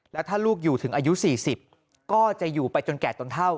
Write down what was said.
แล้วถ้าลูกอยู่ถึงอายุ๔๐ก็จะอยู่ไปจนแก่ตนเท่า